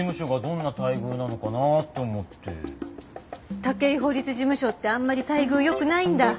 武井法律事務所ってあんまり待遇よくないんだ？